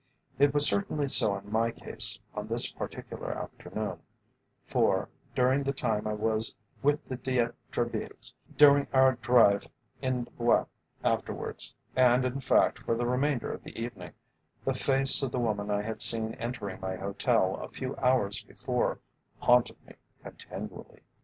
It was certainly so in my case on this particular afternoon, for, during the time I was with the D'Etrebilles, during our drive in the Bois afterwards, and in fact for the remainder of the evening, the face of the woman I had seen entering my hotel a few hours before, haunted me continually.